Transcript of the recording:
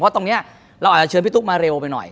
เพราะตรงนี้เราอาจจะเชิญพี่ตุ๊กมาเร็วไปหน่อย